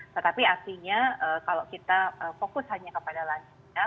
tetapi artinya kalau kita fokus hanya kepada lansia